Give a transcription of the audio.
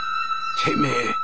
てめえ。